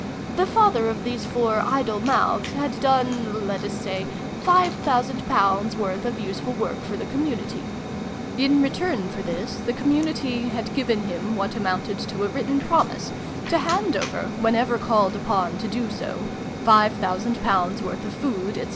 The father of these four 'idle mouths,' had done (let us say) five thousand pounds' worth of useful work for the community. In return for this, the community had given him what amounted to a written promise to hand 40 SYLVIE AND BRUNO CONCLUDED. over, whenever called upon to do so, five thousand pounds' worth of food, &c.